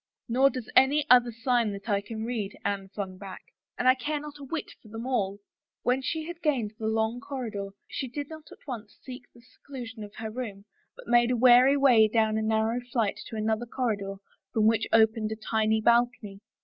" Nor does any other sign that I can read," Anne flung back. " And I care not a whit for them all !" When she had gained the long corridor, she did not seek at once the seclusion of her room, but made a wary way down a narrow flight to another corridor from which opened a tiny balcony.